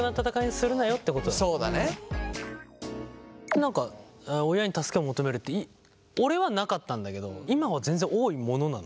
何か親に助けを求めるって俺はなかったんだけど今は全然多いものなの？